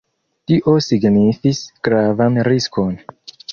Tio signifis gravan riskon.